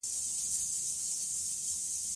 زه زما مشر ورور او یو بل کوچنی ورور مې ورسره و